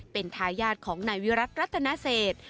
เป็นทายาทของนายวิรัติรัตนเศษ